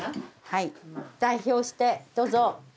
はい代表してどうぞ。